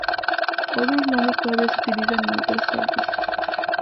Otros nombres todavía se utilizan en otras partes.